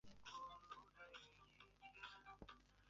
于是这些关系便由生产力的发展形式变成生产力的桎梏。